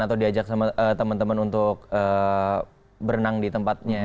atau diajak sama teman teman untuk berenang di tempatnya